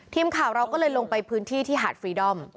ทีมข่าวเราก็เลยลงไปพื้นที่ที่หาดฟรีดอม